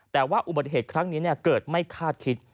แต่ว่าอุบัติเหตุครั้งนี้เกิดไม่คาดคิด